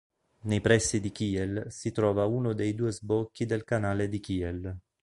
Nei pressi di Kiel si trova uno dei due sbocchi del Canale di Kiel.